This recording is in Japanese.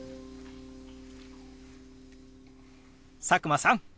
佐久間さん！